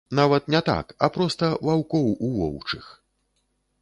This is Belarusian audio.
Нават не так, а проста ваўкоў у воўчых.